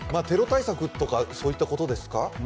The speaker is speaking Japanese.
テロ対策とかそういったことですか？